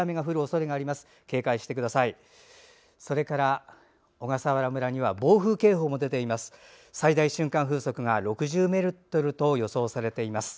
それから小笠原村には暴風警報も出ています。